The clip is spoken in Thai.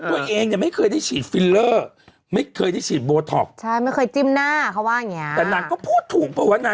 วก็ไม่ดูเขาสัมภาษณ์อยู่นะ